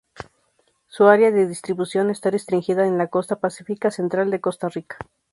Su área de distribución está restringida en la costa Pacífica central de Costa Rica.